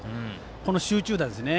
この集中打ですね。